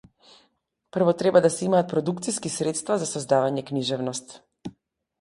Прво треба да се имаат продукциски средства за создавање книжевност.